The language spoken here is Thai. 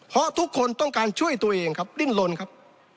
เพราะทุกคนต้องการช่วยตัวเองครับดิ้นลนครับ